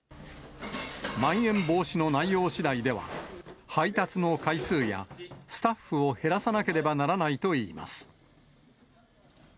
まん延防止の内容次第では、配達の回数や、スタッフを減らさなければならないといいます。